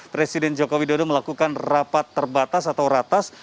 presiden joko widodo melakukan rapat terbatas atau ratas